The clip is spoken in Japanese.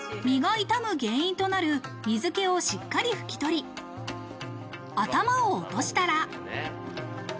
身が傷む原因となる水気をしっかり拭き取り、頭を落としたら。